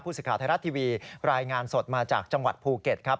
สิทธิ์ไทยรัฐทีวีรายงานสดมาจากจังหวัดภูเก็ตครับ